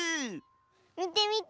みてみて。